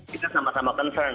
kita sama sama concern